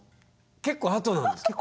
結構あとなんですか？